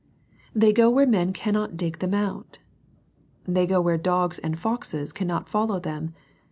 They go where men cannot dig them out. They go where dogs and foxes cannot follow them.